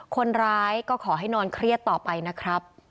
คนร้ายก็ขอให้นอนเครียดต่อไปนะครับ